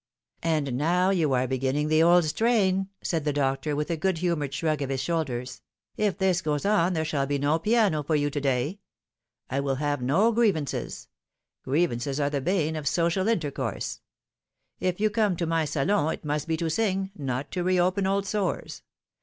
" Ah, now you are beginning the old strain 1" said the doctor, with a good humoured shrug of his shoulders. " If this goes on there shall be no piano for you to day. I will have no griev ances ; grievances are the bane of social intercourse. If you come to my salon it must be to sing, not to reopen old sores.